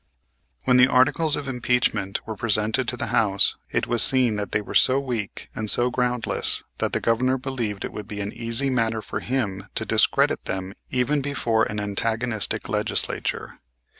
When the articles of impeachment were presented to the House, it was seen that they were so weak and so groundless that the Governor believed it would be an easy matter for him to discredit them even before an antagonistic legislature.